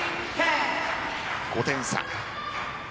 ５点差。